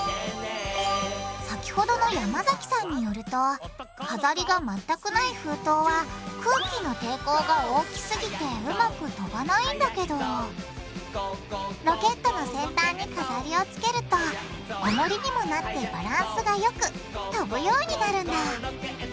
先ほどの山崎さんによると飾りが全くない封筒は空気の抵抗が大きすぎてうまく飛ばないんだけどロケットの先端に飾りをつけるとおもりにもなってバランスがよく飛ぶようになるんだ。